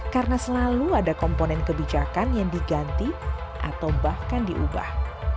karena selalu ada komponen kebijakan yang diganti atau bahkan diubah